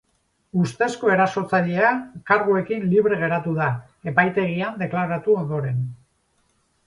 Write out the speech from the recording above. Ustezko erasotzailea karguekin libre geratu da epaitegian deklaratu ondoren.